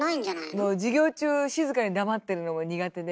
もう授業中静かに黙ってるのも苦手で。